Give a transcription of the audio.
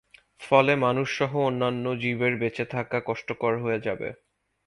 ফলে মানুষসহ অন্যান্য জীবের বেঁচে থাকা কষ্টকর হয়ে যাবে।